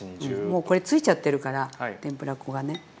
もうこれついちゃってるからてんぷら粉がね。